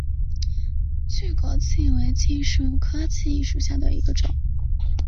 巨果槭为槭树科槭属下的一个种。